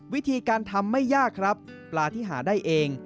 วิธีการทำไม่ยากครับปลาที่หาได้เอง